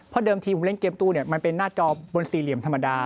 เพราะเดิมทีผมเล่นเกมตู้เนี่ยมันเป็นหน้าจบนสี่เหลี่ยมธรรมดา